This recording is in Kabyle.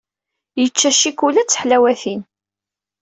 Yecca ccikula ed tḥelwatin.